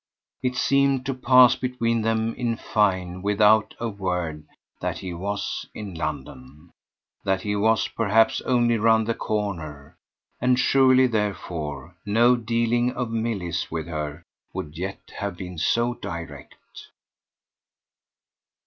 It seemed to pass between them in fine without a word that he was in London, that he was perhaps only round the corner; and surely therefore no dealing of Milly's with her would yet have been so direct.